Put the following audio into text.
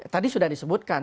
tadi sudah disebutkan